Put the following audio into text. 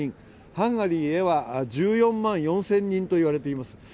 ハンガリーへは１４万４０００人と言われています。